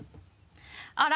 「あら？